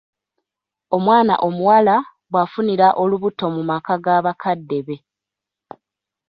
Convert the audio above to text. Omwana omuwala bw'afunira olubuto mu maka ga bakadde be.